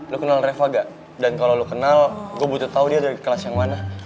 lo kenal reva gak dan kalau lo kenal gue butuh tau dia dari kelas yang mana